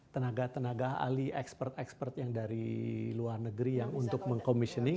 tenaga tenaga ahli expert expert yang dari luar negeri yang untuk meng commissioning